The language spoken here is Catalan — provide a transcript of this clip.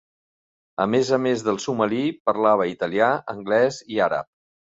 A més a més del somali, parlava italià, anglès i àrab.